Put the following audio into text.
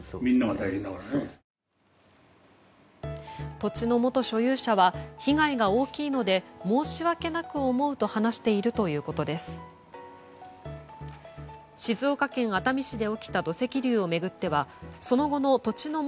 土地の元所有者は被害が大きいので申し訳なく思うと話しているということです。